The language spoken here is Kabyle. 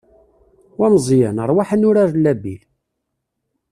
Wa Meẓyan, ṛwaḥ ad nurar labil!